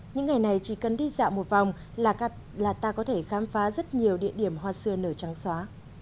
những ngày này chỉ cần đi dạo một vòng là ta có thể khám phá rất nhiều địa điểm hoa xưa nở trắng xóa